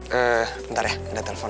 bentar ya sudah telpon